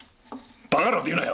バカな事言うなよ！